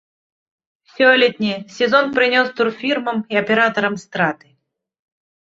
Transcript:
Сёлетні сезон прынёс турфірмам і аператарам страты.